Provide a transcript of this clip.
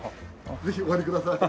ぜひお貼りください。